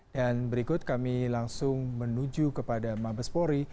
dan berikut kami langsung menuju kepada mabespori